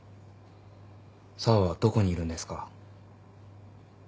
紗和はどこにいるんですか？